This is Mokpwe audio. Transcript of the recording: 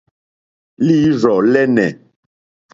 Líǐrzɔ̀ lɛ́nɛ̀.